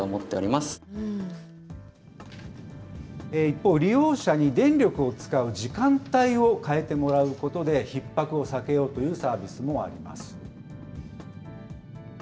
一方、利用者に電力を使う時間帯を変えてもらうことで、ひっ迫を避けようというサービスもあります。